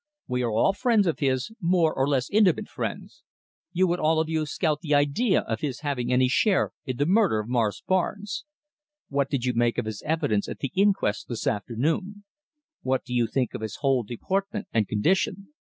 We are all friends of his, more or less intimate friends. You would all of you scout the idea of his having any share in the murder of Morris Barnes. What did you make of his evidence at the inquest this afternoon? What do you think of his whole deportment and condition?"